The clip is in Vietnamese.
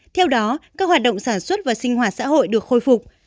theo đó các hoạt động sản xuất và sinh hoạt xã hội được khôi phục